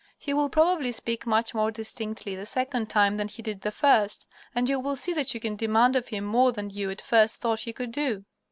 He will probably speak much more distinctly the second time than he did the first, and you will see that you can demand of him more than you at first thought he could do.